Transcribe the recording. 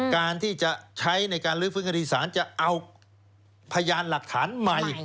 การที่จะใช้ในการลื้อฟื้นคดีศาลจะเอาพยานหลักฐานใหม่